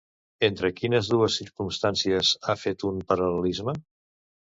Entre quines dues circumstàncies ha fet un paral·lelisme?